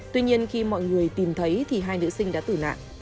tuy nhiên khi mọi người tìm thấy thì hai nữ sinh đã tử nạn